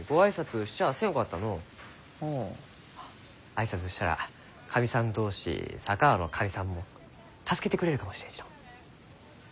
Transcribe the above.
挨拶したら神さん同士佐川の神さんも助けてくれるかもしれんしのう。